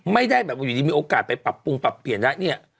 ไม่ได้แบบอยู่ดีมีโอกาสไปปรับปรุงปรับเปลี่ยนแล้วเนี่ย